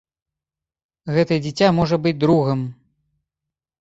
Гэтае дзіця можа быць другам.